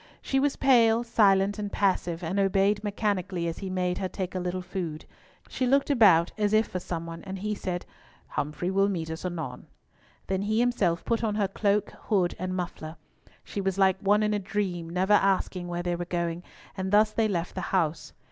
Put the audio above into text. She was pale, silent, and passive, and obeyed mechanically as he made her take a little food. She looked about as if for some one, and he said, "Humfrey will meet us anon." Then he himself put on her cloak, hood, and muffler. She was like one in a dream, never asking where they were going, and thus they left the house.